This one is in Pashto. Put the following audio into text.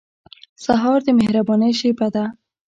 سهار د مهربانۍ شېبه ده.